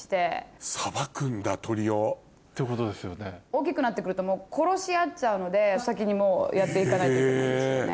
大きくなって来ると殺し合っちゃうので先にもうやって行かないといけないんですよね。